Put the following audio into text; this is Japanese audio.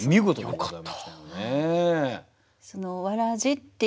よかった。